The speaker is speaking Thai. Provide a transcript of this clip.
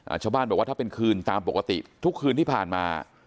ชาวบ้านบอกว่าถ้าเป็นคืนตามปกติทุกคืนที่ผ่านมา